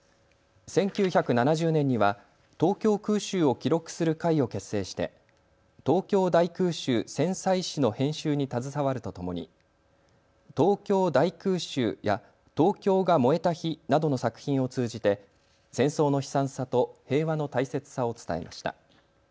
１９７０年には東京空襲を記録する会を結成して東京大空襲・戦災誌の編集に携わるとともに東京大空襲や東京が燃えた日などの作品を通じて戦争の悲惨さと平和の大切さを伝えました。